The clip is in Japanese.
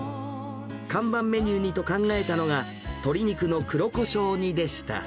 看板メニューにと考えたのが、鶏肉の黒こしょう煮でした。